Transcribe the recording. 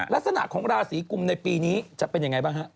ลักษณะของราศีกุมในปีนี้จะเป็นยังไงบ้างฮะ